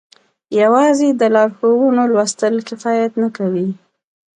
يوازې د لارښوونو لوستل کفايت نه کوي.